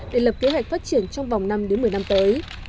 để lập kế hoạch phát triển trong vòng năm đến một mươi năm tới